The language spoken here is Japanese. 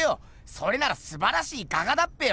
それならすばらしい画家だっぺよ！